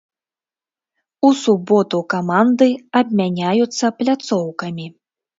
У суботу каманды абмяняюцца пляцоўкамі.